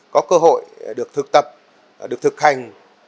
có cơ hội được thực tập được thực hành